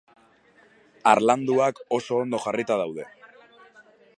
Harlanduak oso ondo jarrita daude.